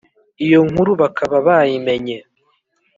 Iyo nkuru bakaba bayimenye